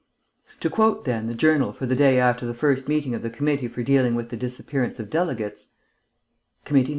To quote, then, the Journal for the day after the first meeting of the Committee for Dealing with the Disappearance of Delegates: "Committee No.